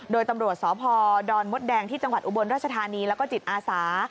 โดยตำรวจสพดมดแดงที่จังหวัดอุบลราชธานีแล้วก็จิตอาสา